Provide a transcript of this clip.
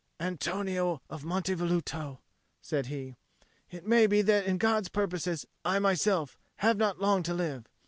"Antonio of Monte Velluto," said he, "it may be that in God's purposes I myself have not long to live.